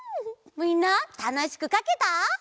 みんなたのしくかけた？